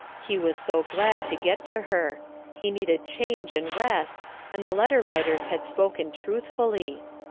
He was so glad to get to her. He needed change and rest, and the letter writers had spoken truthfully.